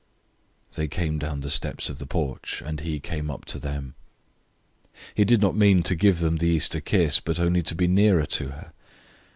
They came down the steps of the porch, and he came up to them. He did not mean to give them the Easter kiss, but only to be nearer to her.